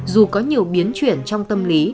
dù có nhiều biến chuyển trong tâm lý